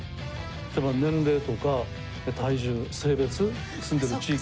例えば年齢とか体重性別住んでいる地域。